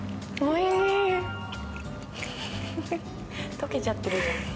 溶けちゃってるじゃん。